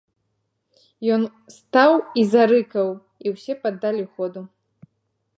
Ён стаў і зарыкаў, і ўсе паддалі ходу.